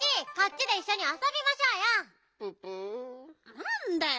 なんだよ。